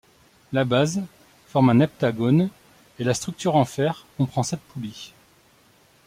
La base forme un heptagone, et la structure en fer comprend sept poulies.